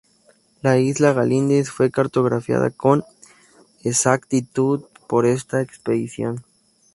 La isla Galíndez fue cartografiada con exactitud por esta expedición.